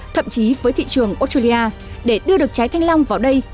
thậm chí với thị trường australia để đưa được trái thanh long vào đây